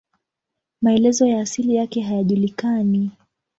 Maelezo ya asili yake hayajulikani.